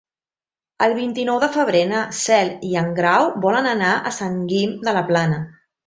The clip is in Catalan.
El vint-i-nou de febrer na Cel i en Grau volen anar a Sant Guim de la Plana.